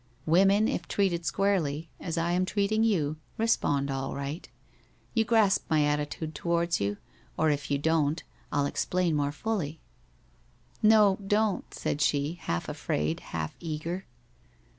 Women if treated squarely, as I am treating you, respond all right. You grasp my atti tude towards you — or if you don't I'll explain more fully?' ' No, don't/ said she, half afraid, half eager.